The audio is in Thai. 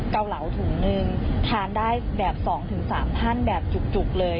เกาเหลาถุงหนึ่งทานได้แบบ๒๓ท่านแบบจุกเลย